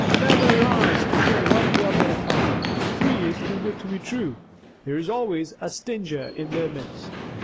Never rise to but one grub at a time. Three is too good to be true! There is always a stinger in their midst."